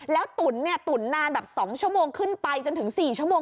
แล้วตุ๋นนานแบบ๒ชั่วโมงขึ้นไปจนถึง๔ชั่วโมง